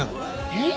えっ！？